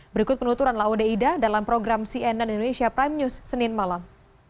berikut penuturan laode ida dalam program cnn indonesia prime news senin malam